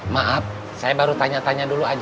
maaf saya baru tanya tanya dulu aja